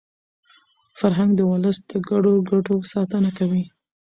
فرهنګ د ولس د ګډو ګټو ساتنه کوي.